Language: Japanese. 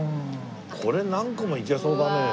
これ何個もいけそうだねえ。